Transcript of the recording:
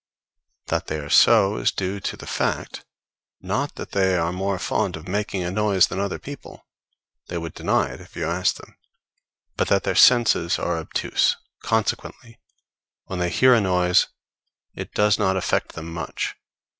That they are so is due to the fact, not that they are more fond of making a noise than other people they would deny it if you asked them but that their senses are obtuse; consequently, when they hear a noise, it does not affect them much.